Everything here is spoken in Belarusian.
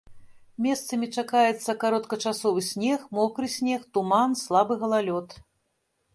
Месцамі чакаецца кароткачасовы снег, мокры снег, туман, слабы галалёд.